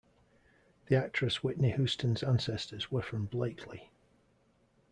The actress Whitney Houston's ancestors were from Blakely.